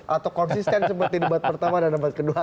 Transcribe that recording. atau konsisten seperti debat pertama dan debat kedua